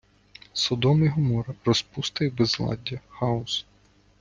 Содом і Гоморра — розпуста і безладдя, хаос